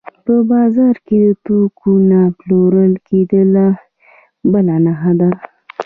په بازار کې د توکو نه پلورل کېدل بله نښه ده